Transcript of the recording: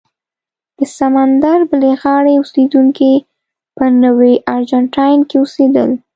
د سمندر بلې غاړې اوسېدونکي په نوي ارجنټاین کې اوسېدل.